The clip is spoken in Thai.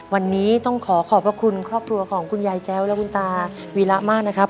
วันนี้ต้องขอขอบพระคุณครอบครัวของคุณยายแจ้วและคุณตาวีระมากนะครับ